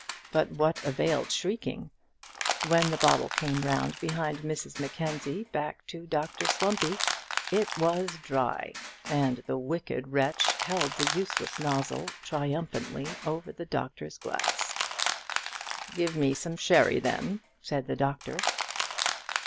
But what availed shrieking? When the bottle came round behind Mrs Mackenzie back to Dr Slumpy, it was dry, and the wicked wretch held the useless nozzle triumphantly over the doctor's glass. "Give me some sherry, then," said the doctor.